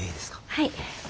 はい。